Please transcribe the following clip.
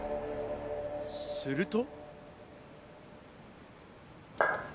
すると。